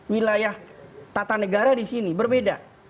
wilayah tata negara di sini berbeda